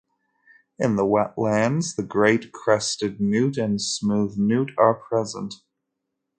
In the wetlands the great crested newt and smooth newt are present.